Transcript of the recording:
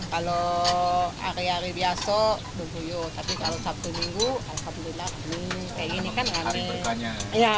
kalau hari hari biasa tapi kalau sabtu minggu alhamdulillah hari ini kan hari berkannya